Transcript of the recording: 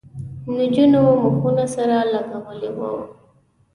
نجونو مخونه سره لگولي وو.